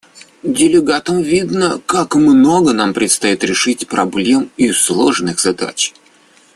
Делегатам видно, как много нам предстоит решить проблем и сложных задач.